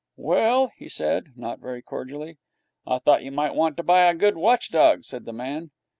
'Well?' he said, not very cordially. 'I thought you might want to buy a good watch dog,' said the man.